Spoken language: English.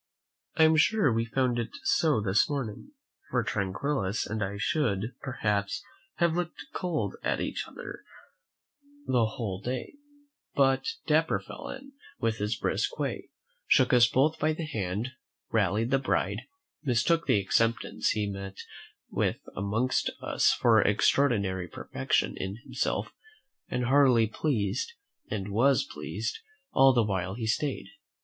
I am sure we found it so this morning; for Tranquillus and I should, perhaps, have looked cold at each other the whole day, but Dapper fell in, with his brisk way, shook us both by the hand, rallied the bride, mistook the acceptance he met with amongst us for extraordinary perfection in himself, and heartily pleased, and was pleased, all the while he stayed.